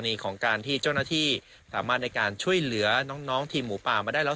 ของการที่เจ้าหน้าที่สามารถในการช่วยเหลือน้องทีมหมูป่ามาได้แล้ว